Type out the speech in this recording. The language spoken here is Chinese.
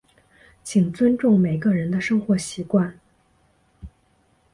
请尊重每个人的生活习惯。